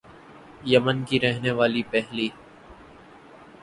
یمن کی رہنے والی پہلی